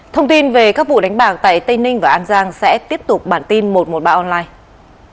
thông tin về các vụ đánh bạc tại tây ninh và an giang sẽ tiếp tục bản tin một trăm một mươi ba online